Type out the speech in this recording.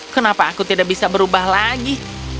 kenapa aku tidak bisa berubah lagi